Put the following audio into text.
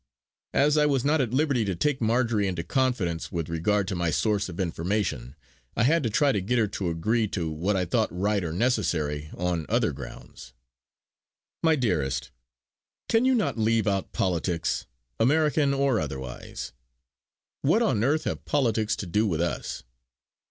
As I was not at liberty to take Marjory into confidence with regard to my source of information, I had to try to get her to agree to what I thought right or necessary on other grounds: "My dearest, can you not leave out politics, American or otherwise. What on earth have politics to do with us?"